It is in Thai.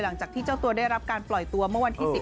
หลังจากที่เจ้าตัวได้รับการปล่อยตัวเมื่อวันที่๑๐